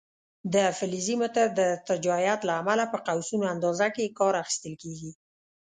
د فلزي متر د ارتجاعیت له امله په قوسونو اندازه کې کار اخیستل کېږي.